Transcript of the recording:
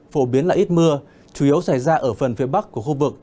phổ biến là ít mưa chủ yếu xảy ra ở phần phía bắc của khu vực